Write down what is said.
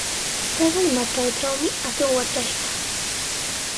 Taqay matraytrawmi atuq watrashqa.